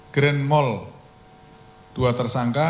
grand mall dua tersangka